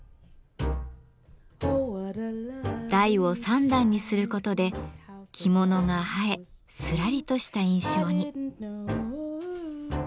台を三段にすることで着物が映えすらりとした印象に。